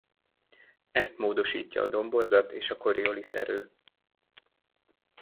Ezt módosítja a domborzat és a Coriolis-erő.